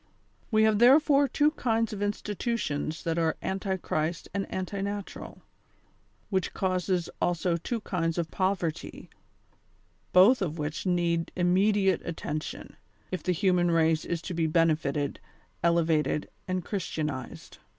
We have therefore two kinds of institutions that are anti Christ and anti natural, which cause also two kinds of poverty, both of which need immediate attention, if the human race is to be benefited, elevated and Christianized.